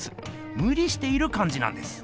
むりしているかんじなんです。